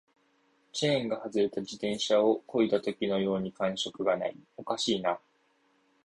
チェーンが外れた自転車を漕いだときのように感触がない、おかしいな